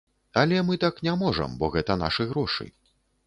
Але мы так не можам, бо гэта нашы грошы.